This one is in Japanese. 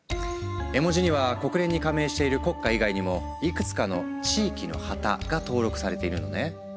絵文字には国連に加盟している国家以外にもいくつかの地域の旗が登録されているのね。